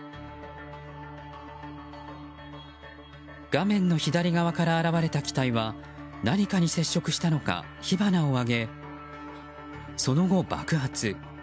画面の左側から現れた機体は何かに接触したのか、火花を上げその後、爆発。